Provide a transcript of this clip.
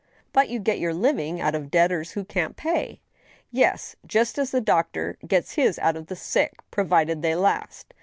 " "But you get your living out of debtors who can't pay? "" Yes — ^just as a doctor gets his out of the sick, provided they last.